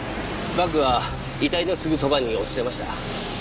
バッグは遺体のすぐそばに落ちてました。